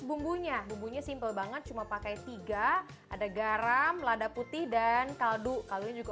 bumbunya bumbunya simpel banget cuma pakai tiga ada garam lada putih dan kaldu kaldunya juga